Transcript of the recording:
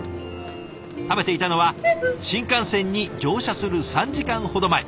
食べていたのは新幹線に乗車する３時間ほど前。